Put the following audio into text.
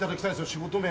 仕事面